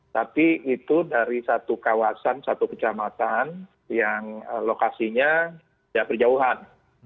tapi itu dari satu kawasan satu kecamatan yang lokasinya tidak berjauhan